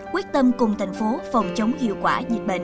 quyết tâm cùng thành phố phòng chống hiệu quả dịch bệnh